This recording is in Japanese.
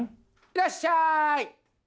いらっしゃい！